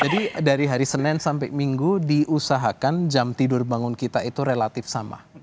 jadi dari hari senin sampai minggu diusahakan jam tidur bangun kita itu relatif sama